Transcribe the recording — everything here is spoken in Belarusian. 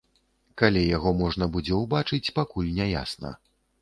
Калі яго можна будзе ўбачыць, пакуль не ясна.